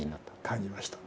感じました。